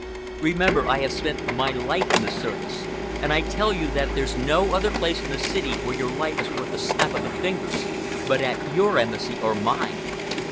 Remember I have spent my life in the service, and I tell you that there's no other place in the city where your life is worth a snap of the fingers but at your Embassy or mine.